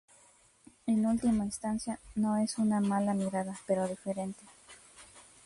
En última instancia, no es una mala mirada, pero diferente.